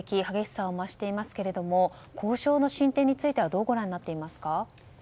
激しさを増していますけれども交渉の進展についてはどうご覧になっていますか？